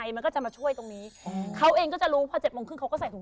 มันก็จะไม่มีการทะลอกัน